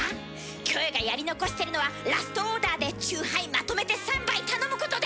キョエがやり残してるのはラストオーダーでチューハイまとめて３杯頼むことです！